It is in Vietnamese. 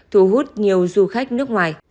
thu hút nhiều du khách nước ngoài